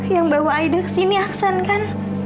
yang bawa aida kesini aksan kan